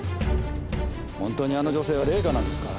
本当にあの女性は玲香なんですか？